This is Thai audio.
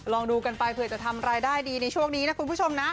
ลองดูกันไปเผื่อจะทำรายได้ดีในช่วงนี้นะคุณผู้ชมนะ